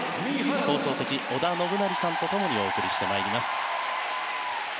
放送席、織田信成さんとともにお送りしてまいります。